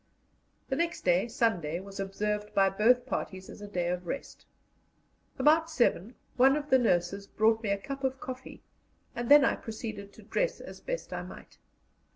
The next day, Sunday, was observed by both parties as a day of rest. About seven one of the nurses brought me a cup of coffee, and then I proceeded to dress as best I might.